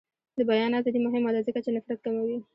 د بیان ازادي مهمه ده ځکه چې نفرت کموي.